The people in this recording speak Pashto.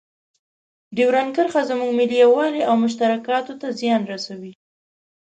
ډیورنډ کرښه زموږ ملي یووالي او مشترکاتو ته زیان رسوي.